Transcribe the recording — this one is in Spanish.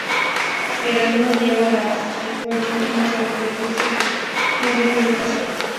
Peirano llama a la secuencia "una suerte de juicio y un rito de pasaje.